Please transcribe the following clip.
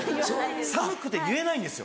寒くて言えないんですよ。